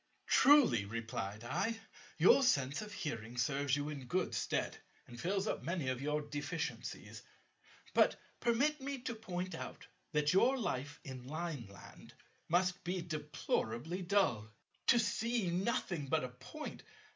"Truly," replied I, "your sense of hearing serves you in good stead, and fills up many of your deficiencies. But permit me to point out that your life in Lineland must be deplorably dull. To see nothing but a Point!